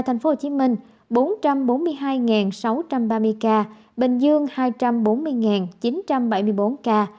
thành phố hồ chí minh bốn trăm bốn mươi hai sáu trăm ba mươi ca bình dương hai trăm bốn mươi chín trăm bảy mươi bốn ca